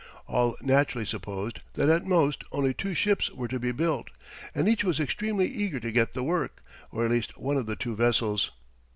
All naturally supposed that at most only two ships were to be built, and each was extremely eager to get the work, or at least one of the two vessels.